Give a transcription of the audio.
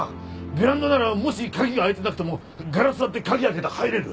ベランダならもし鍵が開いてなくてもガラス割って鍵開けて入れる。